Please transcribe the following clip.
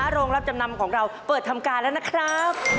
โรงรับจำนำของเราเปิดทำการแล้วนะครับ